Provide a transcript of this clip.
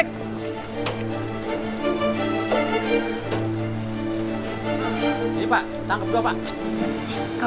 tangkap dua pak